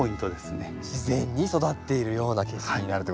自然に育っているような景色になるってことですね。